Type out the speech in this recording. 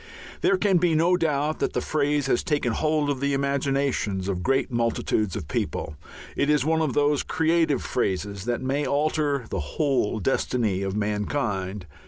There can be no doubt that the phrase has taken hold of the imaginations of great multitudes of people: it is one of those creative phrases that may alter the whole destiny of mankind.